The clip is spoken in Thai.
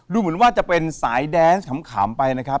ดูเหมือนว่าจะเป็นสายแดนส์ขำไปนะครับ